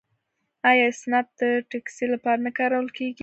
آیا اسنپ د ټکسي لپاره نه کارول کیږي؟